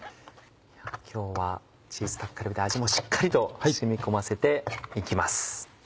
今日はチーズタッカルビで味もしっかりと染み込ませて行きます。